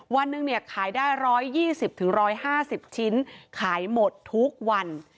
วันหนึ่งขายได้๑๒๐๑๕๐ชิ้นขายหมดทุกวัน